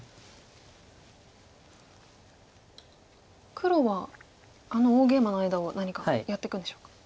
黒はあの大ゲイマの間を何かやっていくんでしょうか。